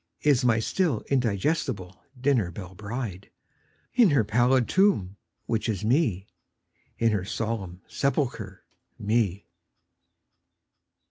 Is n^y still indigestible dinner belle bride, In her pallid tomb, which is Me, In her solemn sepulcher, Me.